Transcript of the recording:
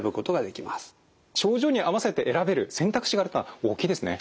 症状に合わせて選べる選択肢があるのは大きいですね。